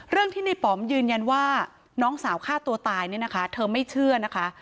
เรื่องที่ในป๋อมยืนยันว่าน้องสาวฆ่าตัวตายเนี่ยนะคะเธอไม่เชื่อนะคะ